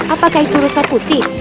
apakah itu rusa putih